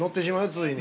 ついに。